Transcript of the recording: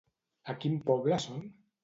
A quin poble són?